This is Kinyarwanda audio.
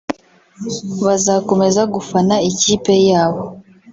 bazakomeza gufana ikipe yabo